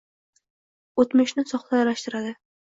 O‘tmishni soxtalashiradi.